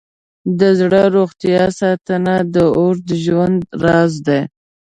د زړه روغتیا ساتنه د اوږد ژوند راز دی.